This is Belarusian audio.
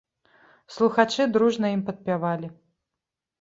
Слухачы дружна ім падпявалі.